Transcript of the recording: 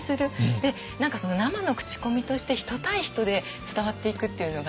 でその生の口コミとして人対人で伝わっていくっていうのが。